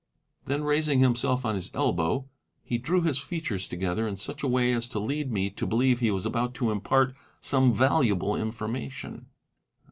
Then, raising himself on his elbow, he drew his features together in such a way as to lead me to believe he was about to impart some valuable information.